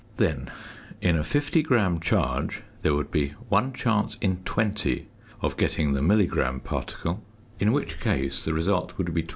Then in a 50 gram charge there would be one chance in twenty of getting the milligram particle, in which case the result would be 12.